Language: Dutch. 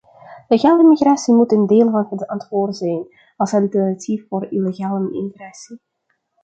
Legale migratie moet een deel van het antwoord zijn, als alternatief voor illegale immigratie.